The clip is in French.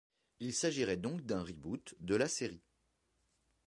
Il s'agirait donc d'un reboot de la série.